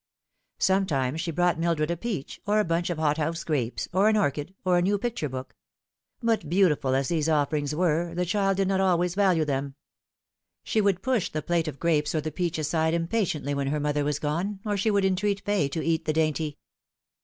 Sometimes she brought Mildred a peach, or a bunch of hothouse grapes, or an .orchid, or a new picture book; but beautiful as these offerings were, the child did not always value them. She would push the plate of grapes or the peach aside impatiently when her mother was gone, or she would entreat Fay to eat the dainty.